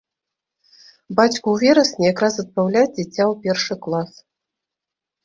Бацьку ў верасні якраз адпраўляць дзіця ў першы клас.